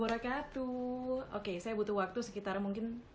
oke saya butuh waktu sekitar mungkin